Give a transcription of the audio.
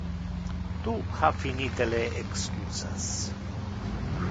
Tu ha finite le excusas.